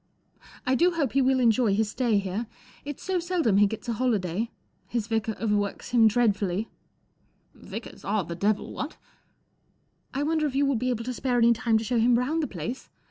99 I do hope he will enjoy his stay here. It's so seldom he gets a holiday. His vicar overworks him dreadfully." M Vicars are the devil, what ?"" I wonder if you will be able to spare any time to show him round the place